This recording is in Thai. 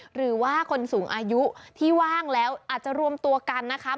หรือว่าคนสูงอายุที่ว่างแล้วอาจจะรวมตัวกันนะคะ